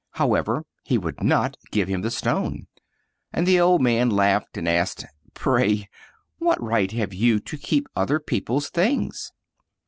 However, he w ould not give him the stone ; and the old man laughed, and asked, " Pray, what right have you to keep other peo ple's things?"